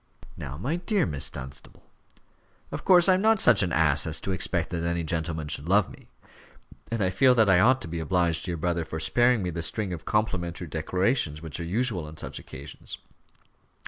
"Now, my dear Miss Dunstable " "Of course I am not such an ass as to expect that any gentleman should love me; and I feel that I ought to be obliged to your brother for sparing me the string of complimentary declarations which are usual on such occasions.